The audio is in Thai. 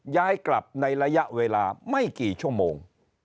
ย้ายกลับในระยะเวลาไม่กี่ชั่วโมง